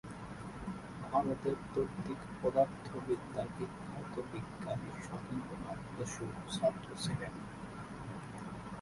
ভারতের তাত্ত্বিক পদার্থবিদ্যার বিখ্যাত বিজ্ঞানী সত্যেন্দ্রনাথ বসুর ছাত্র ছিলেন।